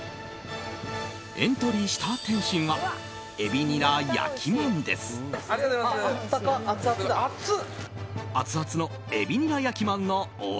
エントリーした点心は海老ニラ焼まんです。